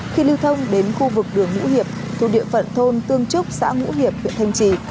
khi lưu thông đến khu vực đường ngũ hiệp thuộc địa phận thôn tương trúc xã ngũ hiệp huyện thanh trì